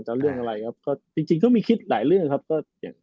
ก็ตอบเรื่องอะไรจริงต้องมีคลิตหลายเรื่องนะครับ